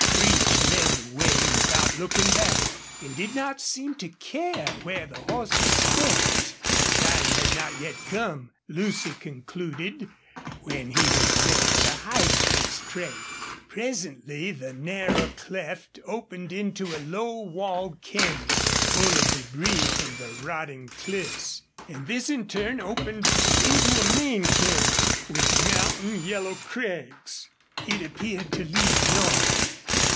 Creech led the way without looking back, and did not seem to care where the horses stepped. The time had not yet come, Lucy concluded, when he was ready to hide his trail. Presently the narrow cleft opened into a low walled canyon, full of debris from the rotting cliffs, and this in turn opened into a main canyon with mounting yellow crags. It appeared to lead north.